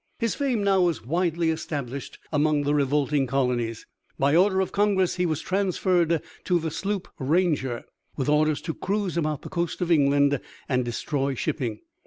His fame now was widely established among the revolting colonies. By order of Congress he was transferred to the sloop, Ranger, with orders to cruise about the coast of England and destroy shipping.